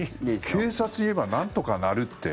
警察に言えばなんとかなるって。